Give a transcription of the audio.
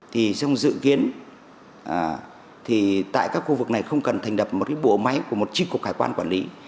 thì trong dự kiến thì tại các khu vực này không cần thành đập một cái bộ máy của một chiếc cục hải quan quản lý